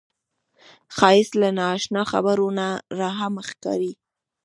ښایست له نا اشنا خبرو نه هم راښکاري